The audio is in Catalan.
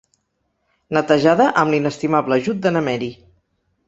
Netejada amb l'inestimable ajut de na Meri.